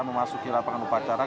memasuki lapangan upacara